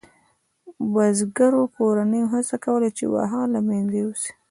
بزګرو کورنیو هڅه کوله چې واښه له منځه یوسي.